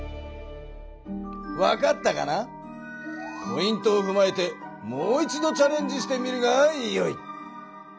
ポイントをふまえてもう一度チャレンジしてみるがよい！